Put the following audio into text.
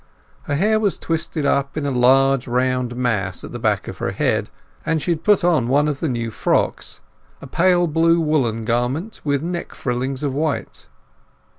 Her hair was twisted up in a large round mass at the back of her head, and she had put on one of the new frocks—a pale blue woollen garment with neck frillings of white.